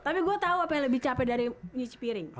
tapi gue tau apa yang lebih capek dari nyuci piring